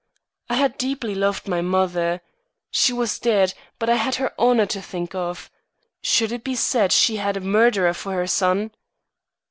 I had deeply loved my mother. She was dead, but I had her honour to think of. Should it be said she had a murderer for her son?